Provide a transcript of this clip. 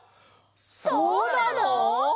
そうなの！？